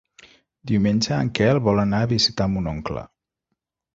Diumenge en Quel vol anar a visitar mon oncle.